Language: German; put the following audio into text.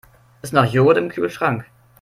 Ist noch Joghurt im Kühlschrank?